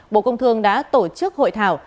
bộ công thương đã tổ chức hội thảo